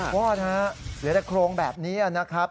วอดฮะเหลือแต่โครงแบบนี้นะครับ